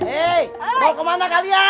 hei mau kemana kalian